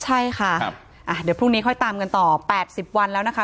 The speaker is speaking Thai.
ใช่ค่ะเดี๋ยวพรุ่งนี้ค่อยตามกันต่อ๘๐วันแล้วนะคะ